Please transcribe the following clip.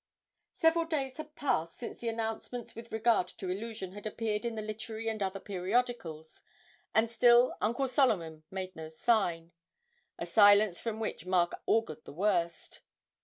Several days had passed since the announcements with regard to 'Illusion' had appeared in the literary and other periodicals, and still Uncle Solomon made no sign a silence from which Mark augured the worst.